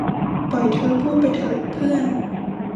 ปล่อยเธอพูดไปเถอะ เพื่อน